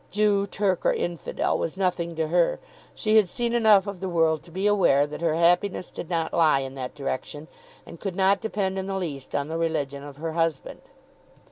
Jew, Turk, or infidel was nothing to her. She had seen enough of the world to be aware that her happiness did not lie in that direction, and could not depend in the least on the religion of her husband.